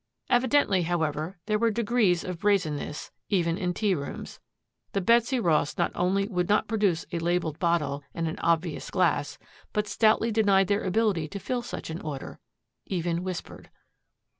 Evidently, however, there were degrees of brazenness, even in tea rooms. The Betsy Ross not only would not produce a labeled bottle and an obvious glass but stoutly denied their ability to fill such an order, even whispered.